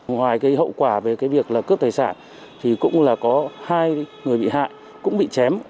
ngoài cái hậu quả về cái việc là cướp tài sản thì cũng là có hai người bị hại cũng bị chém